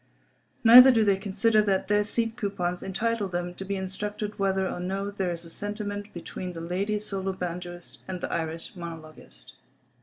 Neither do they consider that their seat coupons entitle them to be instructed whether or no there is a sentiment between the lady solo banjoist and the Irish monologist.